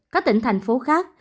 các tỉnh thành phố khác